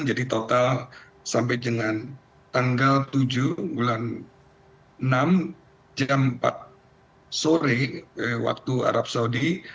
jadi total sampai dengan tanggal tujuh bulan enam jam empat sore waktu arab saudi